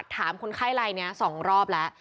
ถามคนไข้ไลน์นี้สองรอบแล้ว